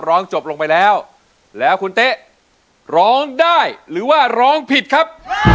ร้องจบลงไปแล้วแล้วคุณเต๊ะร้องได้หรือว่าร้องผิดครับ